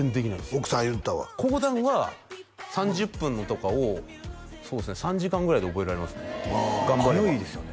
奥さん言うてたわ講談は３０分のとかをそうですね３時間ぐらいで覚えられますねあ早いですよね